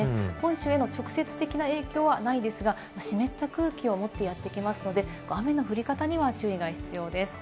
本州への直接的な影響はないですが、湿った空気を持ってやってきますので、雨の降り方には注意が必要です。